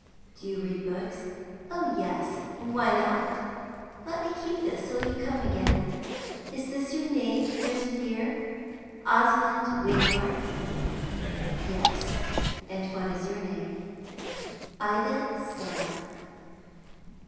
"Do you read books?" "Oh yes; why not? Let me keep this till you come again. Is this your name written here Osmond Waymark?" "Yes. And what is your name?" "Ida Starr."